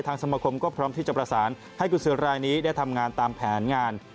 สมคมก็พร้อมที่จะประสานให้กุศือรายนี้ได้ทำงานตามแผนงาน